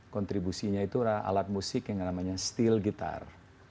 kontribusinya itu alat musik yang namanya steel gitar